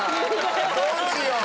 どうしよう？